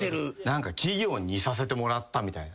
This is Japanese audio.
何か企業にいさせてもらったみたいな。